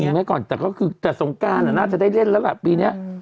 จะมีไหมก่อนแต่ก็คือแต่สงการอ่ะน่าจะได้เล่นแล้วกันปีนี้